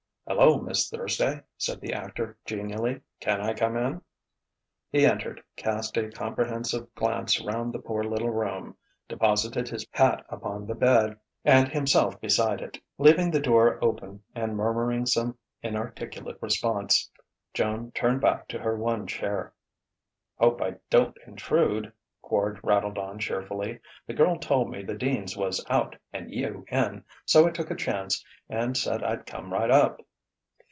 "Hello, Miss Thursday!" said the actor genially. "Can I come in?" He entered, cast a comprehensive glance round the poor little room, deposited his hat upon the bed and himself beside it. Leaving the door open, and murmuring some inarticulate response, Joan turned back to her one chair. "Hope I don't intrude," Quard rattled on cheerfully. "The girl told me the Deans was out and you in, so I took a chance and said I'd come right up."